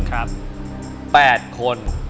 ๘คน